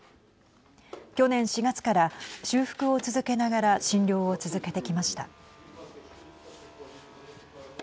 去年４月から修復を続けながら診療を続けてきました。